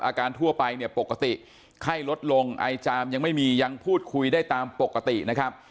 ทั่วไปเนี่ยปกติไข้ลดลงไอจามยังไม่มียังพูดคุยได้ตามปกตินะครับ